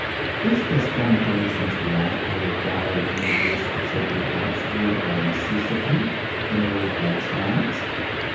Is this one of the reasons why I require a universe that shall be at once ruled by necessity and ruled by chance?